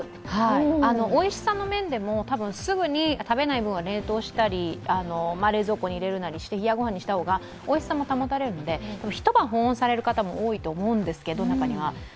おいしさの面でもたぶんすぐに食べない分は冷凍したり冷蔵庫に入れるなりして冷やご飯にした方がおいしさも保たれるので一晩保温される方も多いと思うんですけれども、中には。